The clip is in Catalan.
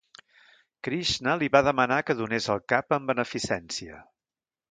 Krishna li va demanar que donés el cap en beneficència.